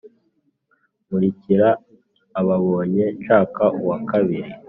nkurikira ababo nshaka uwa kabiri